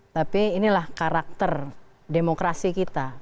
tapi inilah karakter demokrasi kita